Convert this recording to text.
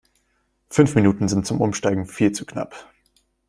Fünf Minuten sind zum Umsteigen viel zu knapp.